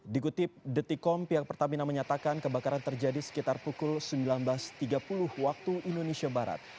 dikutip detikom pihak pertamina menyatakan kebakaran terjadi sekitar pukul sembilan belas tiga puluh waktu indonesia barat